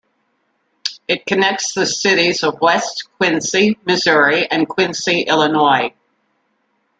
It connects the cities of West Quincy, Missouri and Quincy, Illinois.